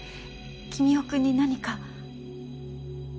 君雄君に何か？